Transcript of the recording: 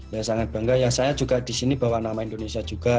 ya sangat bangga ya saya juga disini bawa nama indonesia juga